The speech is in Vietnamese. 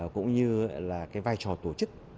cũng như là vai trò tổ chức